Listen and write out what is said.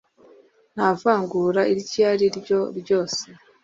nta vangura iryo ari ryo ryose